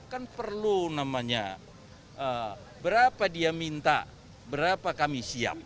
kan perlu namanya berapa dia minta berapa kami siap